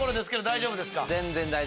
大丈夫ですか？